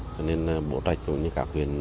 cho nên bố trạch cũng như các huyện